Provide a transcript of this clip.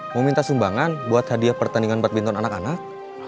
mau minta sumbangan buat hadiah pertandingan badminton anak anak